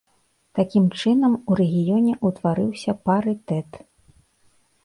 Такім чынам у рэгіёне ўтварыўся парытэт.